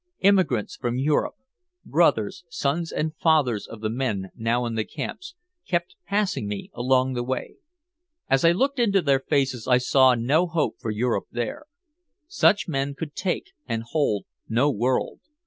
Immigrants from Europe, brothers, sons and fathers of the men now in the camps, kept passing me along the way. As I looked into their faces I saw no hope for Europe there. Such men could take and hold no world.